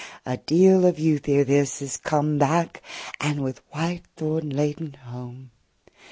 A deal of youth ere this is come 45 Back, and with white thorn laden home.